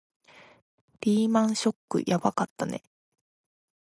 リーマンショックはやばかったね